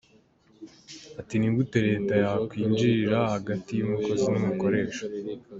Ati “Ni gute Leta yakwinjira hagati y’umukozi n’umukoresha.